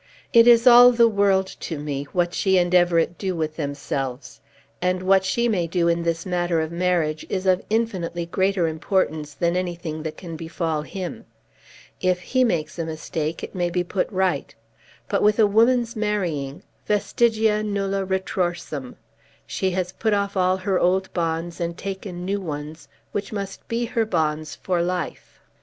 It is all the world to me, what she and Everett do with themselves; and what she may do in this matter of marriage is of infinitely greater importance than anything that can befall him. If he makes a mistake, it may be put right. But with a woman's marrying , vestigia nulla retrorsum. She has put off all her old bonds and taken new ones, which must be her bonds for life.